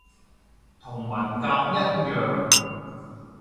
同文革一樣